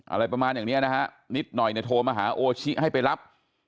อะไรประมาณอย่างเนี้ยนะฮะนิดหน่อยเนี่ยโทรมาหาโอชิให้ไปรับ